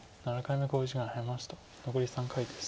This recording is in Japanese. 残り３回です。